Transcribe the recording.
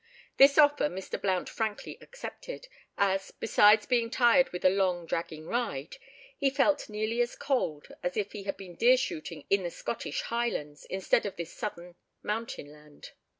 This offer Mr. Blount frankly accepted, as, besides being tired with a long, dragging ride, he felt nearly as cold as if he had been deer shooting in the Scottish Highlands, instead of this southern mountain land.